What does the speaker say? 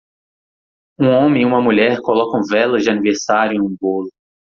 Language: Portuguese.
Um homem e uma mulher colocam velas de aniversário em um bolo.